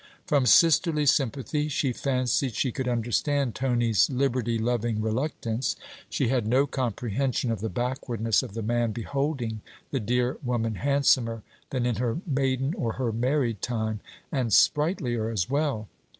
From sisterly sympathy, she fancied she could understand Tony's liberty loving reluctance: she had no comprehension of the backwardness of the man beholding the dear woman handsomer than in her maiden or her married time: and sprightlier as well.